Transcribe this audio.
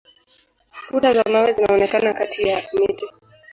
Kuta za mawe zinaonekana kati ya miti.